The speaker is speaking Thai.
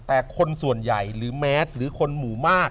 แต่คนส่วนใหญ่หรือแมสหรือคนหมู่มาก